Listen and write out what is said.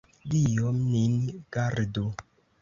Dio nin gardu!